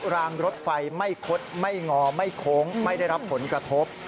รางรถไฟไม่คดไม่งอไม่โค้งไม่ได้รับผลกระทบ